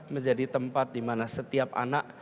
menjadi tempat dimana setiap anak